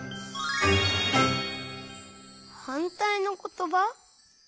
はんたいのことば？